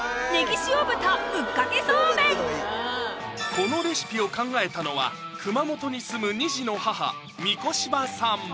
このレシピを考えたのは熊本に住む２児の母御子柴さん